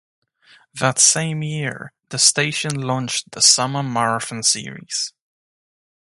That same year, the station launched the Summer Marathon Series.